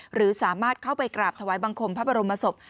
หรือสามารถเข้าไปกราบถวายบังคมพระบรมศพ